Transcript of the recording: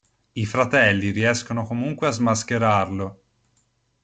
I fratelli riescono comunque a smascherarlo.